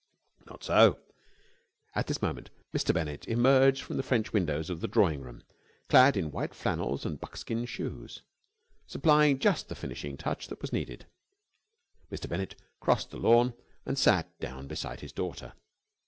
Not so. At this moment, Mr. Bennett emerged from the French windows of the drawing room, clad in white flannels and buckskin shoes, supplying just the finishing touch that was needed. Mr. Bennett crossed the lawn, and sat down beside his daughter.